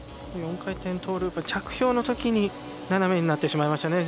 ４回転トーループ着氷のときに斜めになってしまいました。